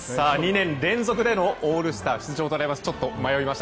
２年連続でのオールスター出場となります。